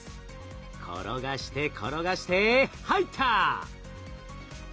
転がして転がして入った！